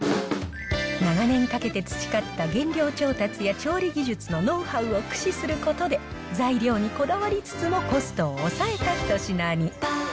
長年かけて培った原料調達や調理技術のノウハウを駆使することで、材料にこだわりつつもコストを抑えた一品に。